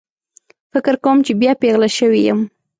فکر کوم چې بیا پیغله شوې یم